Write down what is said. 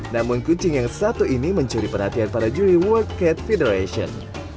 namun kucing yang satu ini mencuri perhatian para juri world cat federation